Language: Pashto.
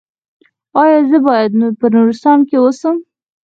ایا زه باید په نورستان کې اوسم؟